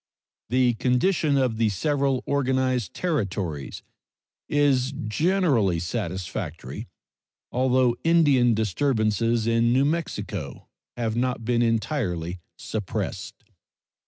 The condition of the several organized Territories is generally satisfactory, although Indian disturbances in New Mexico have not been entirely suppressed.